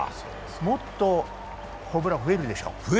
もっとホームラン増えるでしょう。